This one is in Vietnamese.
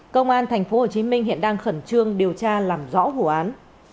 công an tp hcm hiện đang khẩn trương điều tra làm rõ vụ án